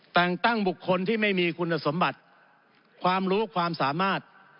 แต่งตั้งบุคคลที่ไม่มีคุณสมบัติความรู้ความสามารถ